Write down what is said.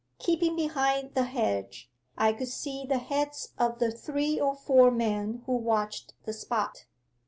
Keeping behind the hedge, I could see the heads of the three or four men who watched the spot.